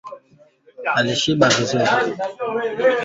Hivyo anataka siku hizo tatu za maombi kuheshimiwa